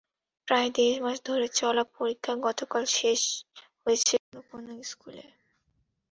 প্রায় দেড় মাস ধরে চলা পরীক্ষা গতকাল শেষ হয়েছে কোনো কোনো স্কুলে।